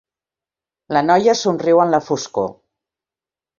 La noia somriu en la foscor.